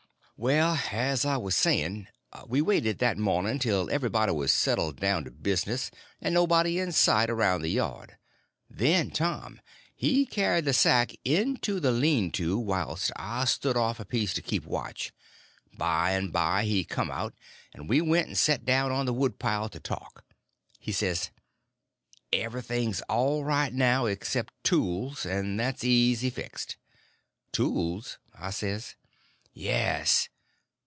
Well, as I was saying, we waited that morning till everybody was settled down to business, and nobody in sight around the yard; then Tom he carried the sack into the lean to whilst I stood off a piece to keep watch. By and by he come out, and we went and set down on the woodpile to talk. He says: "Everything's all right now except tools; and that's easy fixed." "Tools?" I says. "Yes."